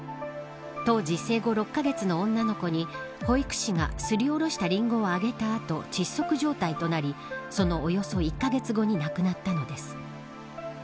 当時、生後６カ月の女の子に保育士がすりおろしたリンゴをあげた後窒息状態となりそのおよそ１カ月後に亡くなったのです。